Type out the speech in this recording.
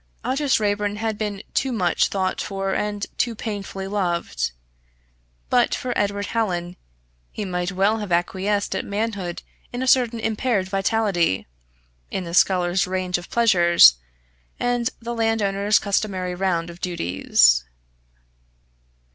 Aldous Raeburn had been too much thought for and too painfully loved. But for Edward Hallin he might well have acquiesced at manhood in a certain impaired vitality, in the scholar's range of pleasures, and the landowner's customary round of duties.